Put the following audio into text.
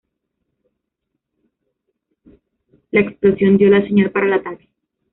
La explosión dio la señal para el ataque.